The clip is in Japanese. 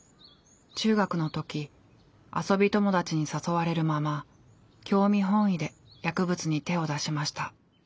中学の時遊び友達に誘われるまま興味本位で薬物に手を出しました。